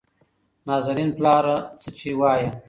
نازنين : پلاره څه چې وايې؟